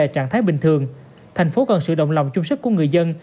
trở về trạng thái bình thường thành phố cần sự động lòng chung sức của người dân